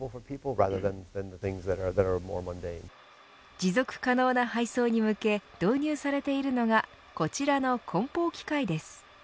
持続可能な配送に向け導入されているのがこちらの梱包機械です。